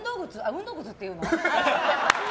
運動靴って言うの？